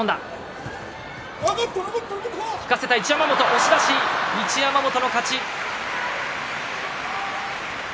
押し出し、一山本の勝ち。